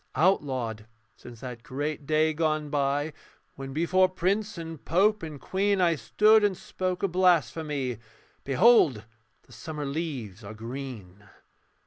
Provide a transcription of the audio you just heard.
Outlawed: since that great day gone by When before prince and pope and queen I stood and spoke a blasphemy 'Behold the summer leaves are green.'